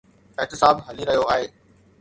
احتساب هلي رهيو آهي.